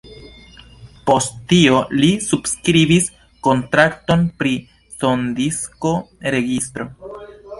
Post tio li subskribis kontrakton pri sondisko-registro.